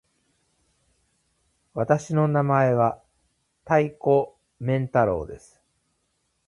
私の名前は多岐麺太郎です。